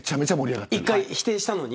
一度否定したのに。